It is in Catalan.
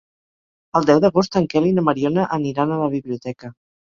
El deu d'agost en Quel i na Mariona aniran a la biblioteca.